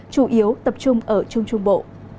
chủ yếu tập trung ở trung trung bộ